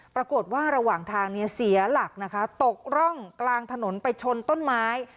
ปรากฏว่าระหว่างทางเนี่ยเสียหลักนะคะตกร่องกลางถนนไปชนต้นไม้